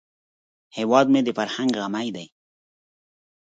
هیواد مې د فرهنګ غمی دی